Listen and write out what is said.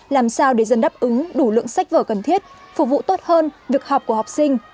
làm sao để dân đáp ứng đủ lượng sách vở cần thiết phục vụ tốt hơn việc học của học sinh